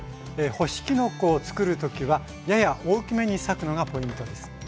干しきのこをつくる時はやや大きめに裂くのがポイントです。